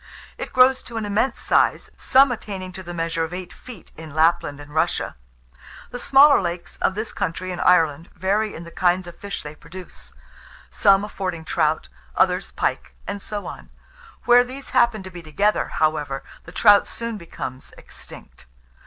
It grows to an immense size, some attaining to the measure of eight feet, in Lapland and Russia. The smaller lakes, of this country and Ireland, vary in the kinds of fish they produce; some affording trout, others pike; and so on. Where these happen to be together, however, the trout soon becomes extinct.